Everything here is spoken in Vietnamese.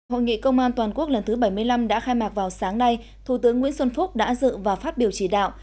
hội nghị công an toàn quốc lần thứ bảy mươi năm đã khai mạc vào sáng nay thủ tướng nguyễn xuân phúc đã dự và phát biểu chỉ đạo